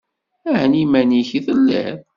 Ɛni iman-ik i telliḍ?